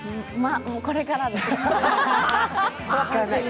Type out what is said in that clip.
これからです。